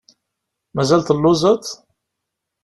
Mazal telluẓeḍ?